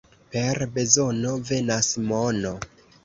Per bezono venas mono.